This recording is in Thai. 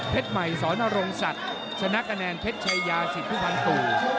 เพชรใหม่สอนรงสัตว์ชนะกะแนนเพชรไชยาสิทธิ์ผู้พันธุ